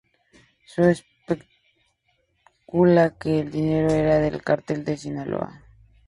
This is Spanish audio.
Se especula que el dinero era del Cartel de Sinaloa.